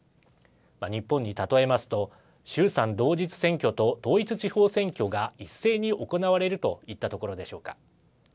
日本に例えますと衆参同日選挙と統一地方選挙が一斉に行われるといったところでしょうか。